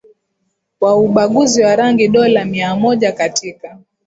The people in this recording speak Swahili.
wa ubaguzi wa rangi dola miamoja Katika